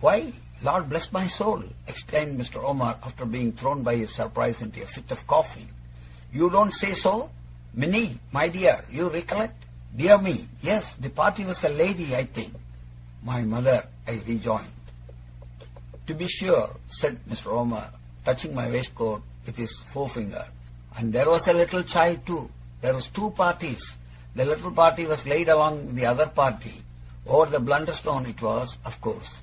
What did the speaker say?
'Why, Lord bless my soul!' exclaimed Mr. Omer, after being thrown by his surprise into a fit of coughing, 'you don't say so! Minnie, my dear, you recollect? Dear me, yes; the party was a lady, I think?' 'My mother,' I rejoined. 'To be sure,' said Mr. Omer, touching my waistcoat with his forefinger, 'and there was a little child too! There was two parties. The little party was laid along with the other party. Over at Blunderstone it was, of course.